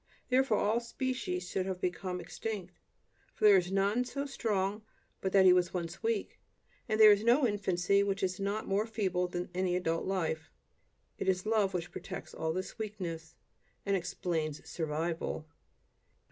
Therefore, all species should have become extinct, for there is none so strong but that he once was weak; and there is no infancy which is not more feeble than any adult life. It is love which protects all this weakness, and explains "survival."